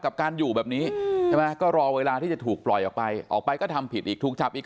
ไปอยู่ข้างใน